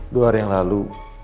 dua hari yang lalu